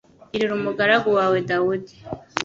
Girira umugaragu wawe Dawudi